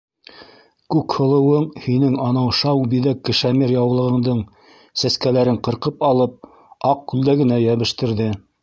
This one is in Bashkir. Күкһылыуың һинең анау шау биҙәк кешәмир яулығыңдың сәскәләрен ҡырҡып алып, аҡ күлдәгенә йәбештерҙе!